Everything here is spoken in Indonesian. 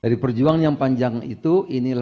dari perjuangan yang panjang itu inilah awal